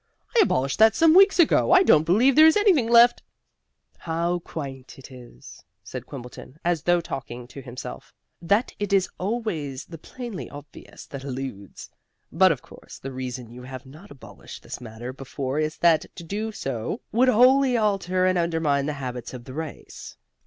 I abolished that some weeks ago. I don't believe there is anything left " "How quaint it is," said Quimbleton (as though talking to himself), "that it is always the plainly obvious that eludes! But, of course, the reason you have not abolished this matter before is that to do so would wholly alter and undermine the habits of the race.